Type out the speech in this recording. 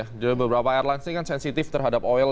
jadi beberapa airlines ini kan sensitif terhadap oil